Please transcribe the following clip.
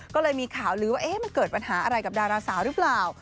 ก็เลยมีข่าวลือว่ามันเกิดปัญหาอะไรกับดาราสาวหรือเปล่า